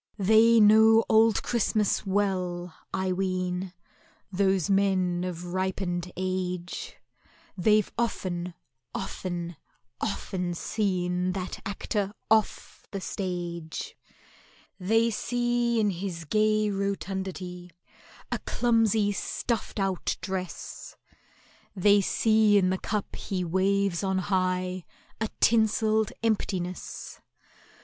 They know Old Christmas well, I ween, Those men of ripened age; They've often, often, often seen That Actor off the stage! They see in his gay rotundity A clumsy stuffed out dress— They see in the cup he waves on high A tinselled emptiness.